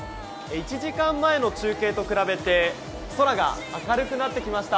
１時間前の中継と比べて空が明るくなってきました。